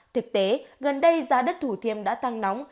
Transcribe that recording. thực tế gần đây giá đất thủ thiêm đã tăng nóng